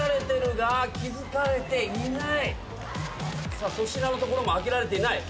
さあ粗品のところも開けられていない。